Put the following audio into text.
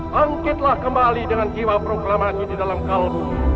bangkitlah kembali dengan jiwa proklamasi di dalam kaldu